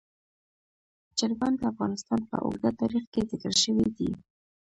چرګان د افغانستان په اوږده تاریخ کې ذکر شوی دی.